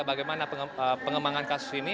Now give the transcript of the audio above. bagaimana pengembangan kasus ini